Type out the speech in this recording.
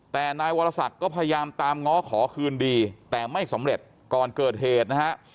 แต่นายวรศักดิ์ก็พยายามตามง้อขอคืนดีแต่ไม่สำเร็จก่อนเกิดเหตุนะฮะ